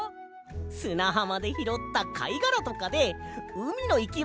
すなはまでひろったかいがらとかでうみのいきものをつくったんだ！